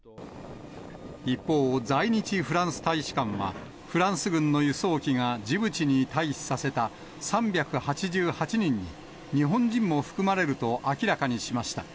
一方、在日フランス大使館は、フランス軍の輸送機がジブチに退避させた３８８人に、日本人も含まれると明らかにしました。